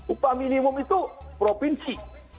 upah minimum itu provinsi